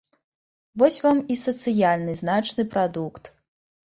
Вось вам і сацыяльна значны прадукт.